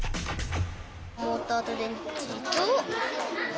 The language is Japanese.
モーターと電池とわ